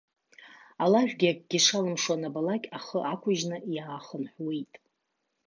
Алажәгьы акгьы шалымшо анабалак, ахы ақәыжьны иаахынҳәуеит.